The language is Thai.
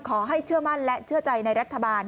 เชื่อมั่นและเชื่อใจในรัฐบาล